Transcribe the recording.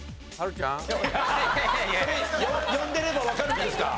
呼んでればわかるんですか？